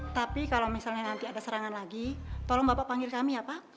tapi kalau misalnya nanti ada serangan lagi tolong bapak panggil kami ya pak